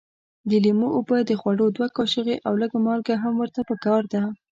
د لیمو اوبه د خوړو دوه کاشوغې او لږ مالګه هم ورته پکار ده.